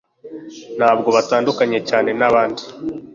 Ntabwo batandukanye cyane nabandi